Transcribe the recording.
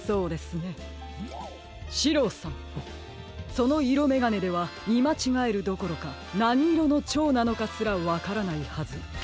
そのいろめがねではみまちがえるどころかなにいろのチョウなのかすらわからないはず。